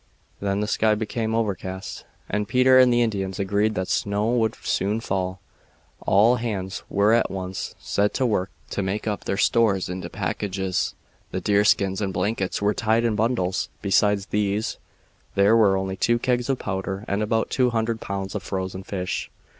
Then the sky became overcast, and Peter and the Indians agreed that snow would soon fall. All hands were at once set to work to make up their stores into packages. The deerskins and blankets were tied in bundles; besides these there were only two kegs of powder and about two hundred pounds of frozen fish.